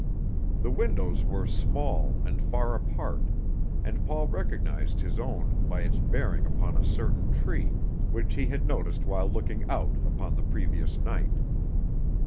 The windows were small and far apart, and Paul recognized his own by its bearing upon a certain tree which he had noticed while looking out upon the previous night.